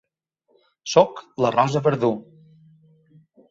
Soc la Rosa Verdú.